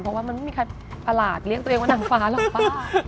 เพราะว่ามันไม่มีใครประหลาดเลี้ยงตัวเองว่านางฟ้าหรอกป้า